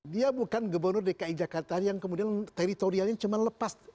dia bukan gubernur dki jakarta yang kemudian teritorialnya cuma lepas